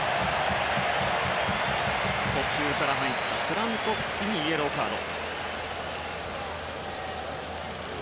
途中から入ったフランコフスキにイエローカード。